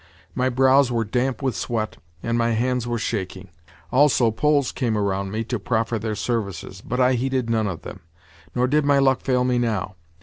My brows were damp with sweat, and my hands were shaking. Also, Poles came around me to proffer their services, but I heeded none of them. Nor did my luck fail me now.